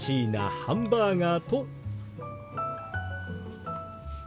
「ハンバーガー」。